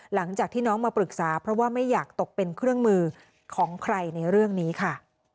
หลังจากที่น้องมาปรึกษาเพราะว่าไม่อยากตกเป็นเครื่องมือของใครในเรื่องนี้ค่ะ